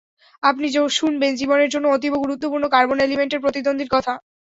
আপনি শুনবেন জীবনের জন্য অতীব গুরুত্বপূর্ণ কার্বন এলিমেন্টের প্রতিদ্বন্দ্বীর কথা।